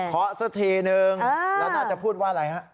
สักทีนึงแล้วน่าจะพูดว่าอะไรฮะ